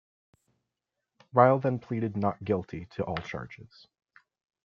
Riel then pleaded not guilty to all charges.